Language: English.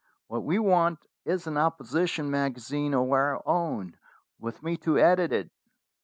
What we want is an opposition magazine of our own, with me to edit it."